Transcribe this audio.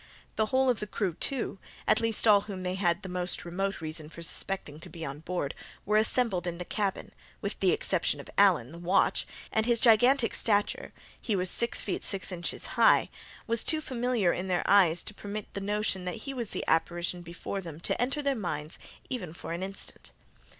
The whole of the crew, too—at least all whom they had the most remote reason for suspecting to be on board—were assembled in the cabin, with the exception of Allen, the watch; and his gigantic stature (he was six feet six inches high) was too familiar in their eyes to permit the notion that he was the apparition before them to enter their minds even for an instant.